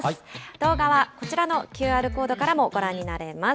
動画はこちらのＱＲコードからもご覧になれます。